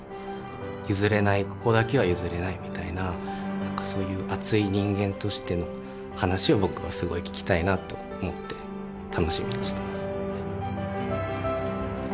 譲れないここだけは譲れないみたいななんかそういう熱い人間としての話を僕はすごい聞きたいなと思って楽しみにしてます。